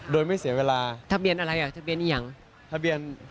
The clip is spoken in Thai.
โดยไม่เสียเวลาทะเบียนอะไรอ่ะทะเบียนอีกอย่างทะเบียน